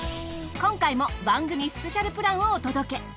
今回も番組スペシャルプランをお届け。